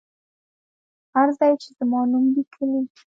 هر ځای چې زما نوم لیکلی.